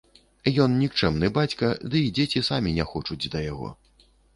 Ён нікчэмны бацька, ды і дзеці самі не хочуць да яго.